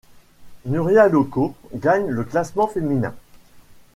Nuria Lauco gagne le classement féminin.